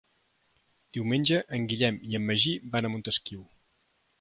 Diumenge en Guillem i en Magí van a Montesquiu.